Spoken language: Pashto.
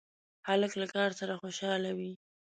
هلک له کار سره خوشحاله وي.